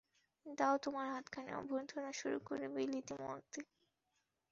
দাও তোমার হাতখানি, অভ্যর্থনা শুরু করি বিলিতি মতে।